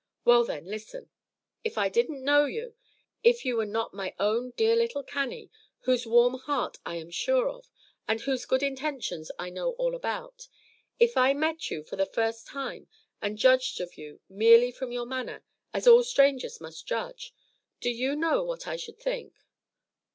"Well then, listen! If I didn't know you, if you were not my own dear little Cannie, whose warm heart I am sure of, and whose good intentions I know all about, if I met you for the first time and judged of you merely from your manner, as all strangers must judge, do you know what I should think?"